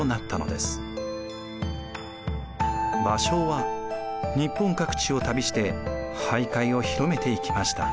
芭蕉は日本各地を旅して俳諧を広めていきました。